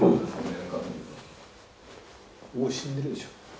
もう死んでるでしょう。